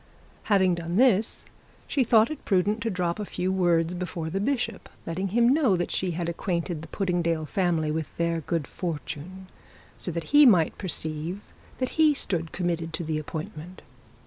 Having done this, she thought it prudent to drop a few words before the bishop, letting him know that she had acquainted the Puddingdale family with their good fortune; so that he might perceive that he stood committed to the appointment.